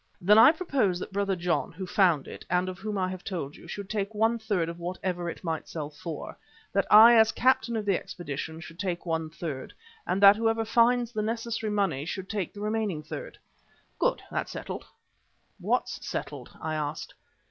"Then I propose that Brother John, who found it and of whom I have told you, should take one third of whatever it might sell for, that I as captain of the expedition should take one third, and that whoever finds the necessary money should take the remaining third." "Good! That's settled." "What's settled?" I asked.